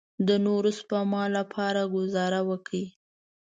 د نورو سپماوو له لارې ګوزاره وکړئ.